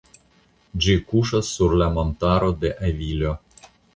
Ĝi kuŝas sur la Montaro de Avilo.